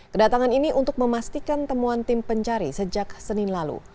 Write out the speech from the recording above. kedatangan ini untuk memastikan temuan tim pencari sejak senin lalu